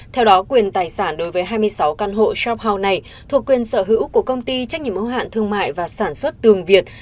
theo đó quyền tài sản đối với hai mươi sáu căn hộ shop house này thuộc quyền sở hữu của công ty trách nhiệm hữu hạn thương mại và sản xuất tường việt